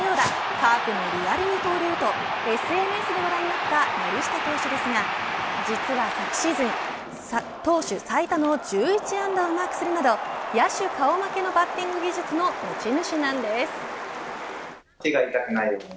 カープのリアル二刀流とＳＮＳで話題になった森下投手ですが、実は昨シーズン投手最多の１１安打をマークするなど野手顔負けのバッティング技術の持ち主なんです。